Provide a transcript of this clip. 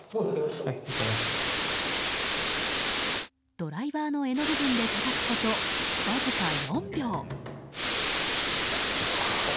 ドライバーの柄の部分でたたくこと、わずか４秒。